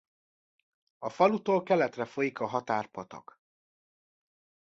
A falutól keletre folyik a Határ-patak.